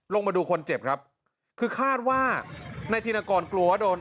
มาดูคนเจ็บครับคือคาดว่านายธินกรกลัวว่าโดน